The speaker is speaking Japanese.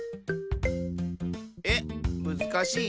えっ？むずかしい？